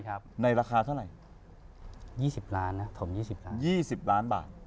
รับถมที่๑๐ล้านบาท